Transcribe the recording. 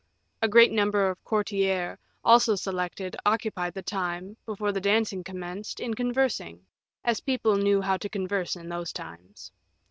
A great number of courtiers, also selected, occupied the time, before the dancing commenced, in conversing, as people knew how to converse in those times.